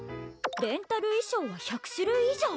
「レンタル衣装は１００種類以上！」